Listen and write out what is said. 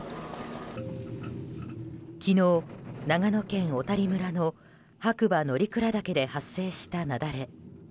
昨日、長野県小谷村の白馬乗鞍岳で発生した雪崩。